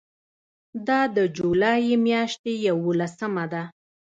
دا د جولای میاشتې یوولسمه ده.